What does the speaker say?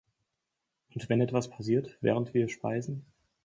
Und wenn etwas passiert, während wir speisen?